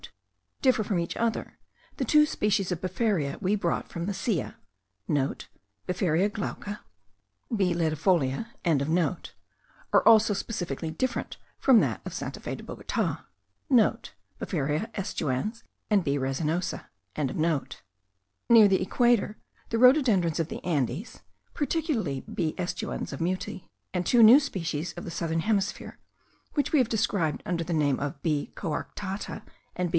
differ from each other, the two species of befaria we brought from the Silla* (* Befaria glauca, B. ledifolia.) are also specifically different from that of Santa Fe and Bogota.* (* Befaria aestuans, and B. resinosa.) Near the equator the rhododendrons of the Andes (Particularly B. aestuans of Mutis, and two new species of the southern hemisphere, which we have described under the name of B. coarctata, and B.